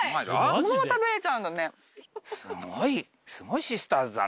そのまま食べれちゃうんだね。